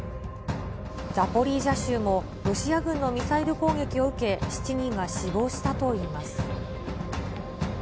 ザポリージャ州も、ロシア軍のミサイル攻撃を受け、７人が死亡したといいます。